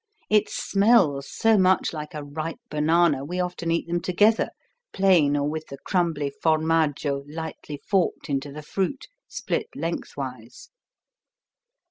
It smells so much like a ripe banana we often eat them together, plain or with the crumbly formaggio lightly forked into the fruit, split lengthwise.